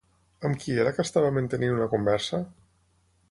Amb qui era que estava mantenint una conversa?